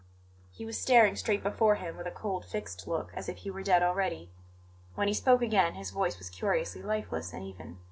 He was staring straight before him with a cold, fixed look, as if he were dead already. When he spoke again his voice was curiously lifeless and even.